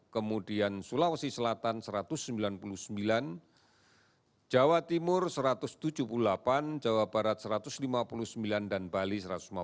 kemudian sulawesi selatan satu ratus sembilan puluh sembilan jawa timur satu ratus tujuh puluh delapan jawa barat satu ratus lima puluh sembilan dan bali satu ratus lima puluh